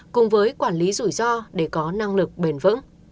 cùng với quản lý rủi ro để có năng lực bệnh